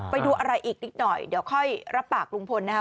ไปดูอะไรอีกนิดหน่อยเดี๋ยวค่อยรับปากลุงพลนะครับ